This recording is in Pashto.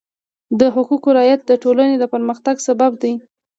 د حقوقو رعایت د ټولنې پرمختګ سبب دی.